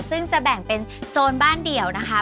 ซึ่งจะแบ่งเป็นโซนบ้านเดี่ยวนะคะ